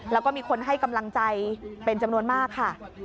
แล้วก็มีคนให้กำลังใจเป็นจำนวนมากค่ะ